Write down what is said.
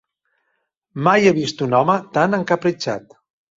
Mai he vist un home tan encapritxat.